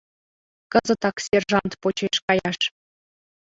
Кызытак сержант почеш каяш!».